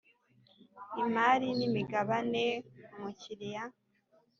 imari n’imigabane umukiriya